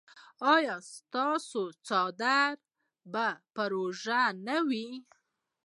ایا ستاسو څادر به پر اوږه نه وي؟